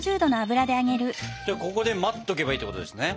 じゃあここで待っとけばいいってことですね。